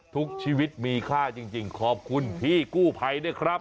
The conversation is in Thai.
ทุกชีวิตมีค่าจริงขอบคุณพี่กู้ภัยด้วยครับ